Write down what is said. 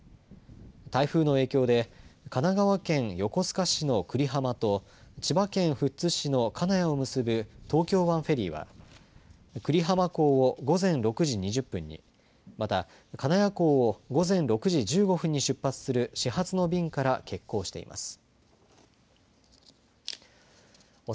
台風の影響で神奈川県横須賀市の久里浜と千葉県富津市の金谷を結ぶ東京湾フェリーは久里浜港を午前６時２０分に、また金谷港を午前６時１５分に出発する始発の便から欠航しています。